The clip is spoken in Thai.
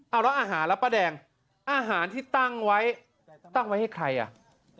เอาแล้วอาหารแล้วป้าแดงอาหารที่ตั้งไว้ตั้งไว้ให้ใครอ่ะ